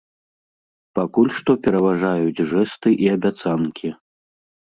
Пакуль што пераважаюць жэсты і абяцанкі.